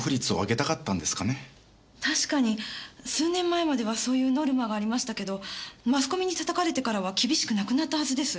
たしかに数年前まではそういうノルマがありましたけどマスコミにたたかれてからは厳しくなくなったはずです。